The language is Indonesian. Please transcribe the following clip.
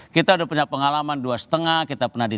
kita udah punya pengalaman dua lima kita pernah di